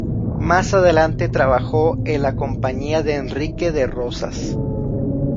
Más adelante trabajó en la compañía de Enrique de Rosas.